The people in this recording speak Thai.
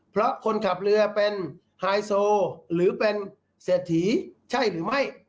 เพราะคนขับเรือเป็นไฮโซหรือเป็นเศรษฐีใช่หรือไม่